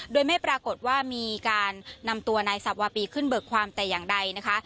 โดยไม่ปรากฏว่ามีการนำตัวนายสับวาปีขึ้นเบิกความแต่อย่างใดนะคะ